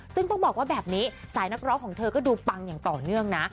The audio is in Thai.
ซึ่งต้องบอกว่าแบบนี้สายนักร้องของเธอก็ดูปังอย่างต่อเนื่องนะ